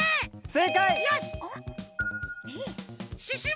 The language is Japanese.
せいかい！